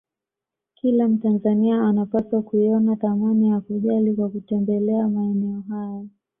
Kila Mtanzania anapaswa kuiona thamani ya kujali kwa kutembelea maeneo haya